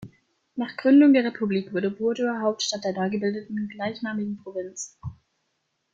Nach Gründung der Republik wurde Burdur Hauptstadt der neugebildeten gleichnamigen Provinz.